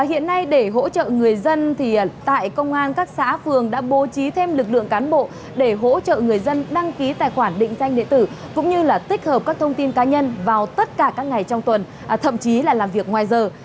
hiện nay để hỗ trợ người dân tại công an các xã phường đã bố trí thêm lực lượng cán bộ để hỗ trợ người dân đăng ký tài khoản định danh địa tử cũng như tích hợp các thông tin cá nhân vào tất cả các ngày trong tuần thậm chí là làm việc ngoài giờ